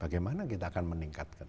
bagaimana kita akan meningkatkan